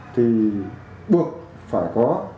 thì buộc phải có